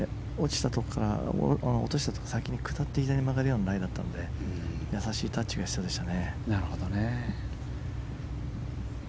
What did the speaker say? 落ちたところから下って左に曲がるようなライだったので優しいタッチが必要でした。